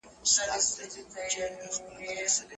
خپل د څيړني شعور او پوهه ورځ تر بلې زیاته کړئ.